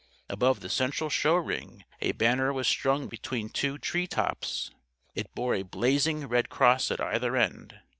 Above the central show ring a banner was strung between two tree tops. It bore a blazing red cross at either end.